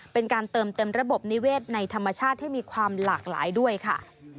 เป็นการเติมเต็มระบบนิเวศในธรรมชาติให้มีความหลากหลายด้วยค่ะ